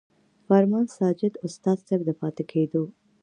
فرمان ساجد استاذ صېب د پاتې کېدو